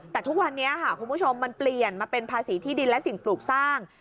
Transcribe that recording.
แต่ทุกวันนี้ค่ะคุณผู้ชมมันเปลี่ยนมาเป็นภาษีที่ดินและสิ่งปลูกสร้าง